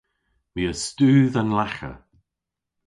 My a studh an lagha.